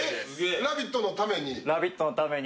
「ラヴィット！」のために？